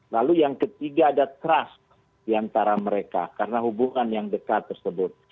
lalu yang ketiga ada trust diantara mereka karena hubungan yang dekat tersebut